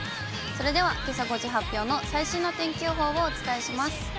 それではけさ５時発表の最新の天気予報をお伝えします。